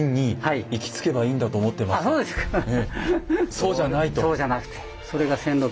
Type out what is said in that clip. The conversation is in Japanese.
そうじゃないと。